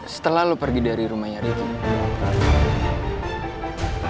setelah lu pergi dari rumahnya ricky